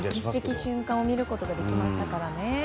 歴史的瞬間を見ることができましたからね。